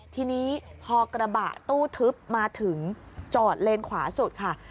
ทีนี้พอกระบะตู้ทึบมาถึงจอดเลนขวาสุดค่ะ